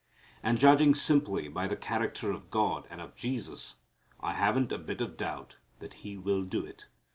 And judging simply by the character of God and of Jesus, I haven't a bit of doubt that He will do it.